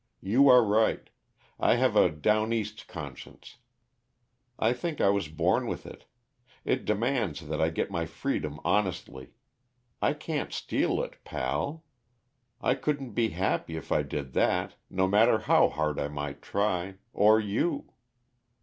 You are right I have a 'down east' conscience. I think I was born with it. It demands that I get my freedom honestly; I can't steal it pal. I couldn't be happy if I did that, no matter how hard I might try or you."